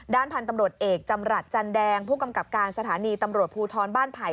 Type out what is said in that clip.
พันธุ์ตำรวจเอกจำรัฐจันแดงผู้กำกับการสถานีตำรวจภูทรบ้านไผ่